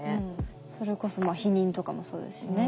それこそ避妊とかもそうですしね。